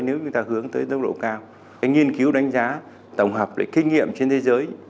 nếu người ta hướng tới tốc độ cao nghiên cứu đánh giá tổng hợp kinh nghiệm trên thế giới